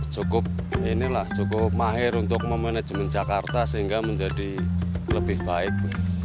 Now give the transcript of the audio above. cukup inilah cukup mahir untuk memanajemen jakarta sehingga menjadi lebih baik